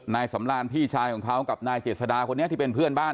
นายสำราญพี่ชายของเขากับนายเจษดาคนนี้ที่เป็นเพื่อนบ้าน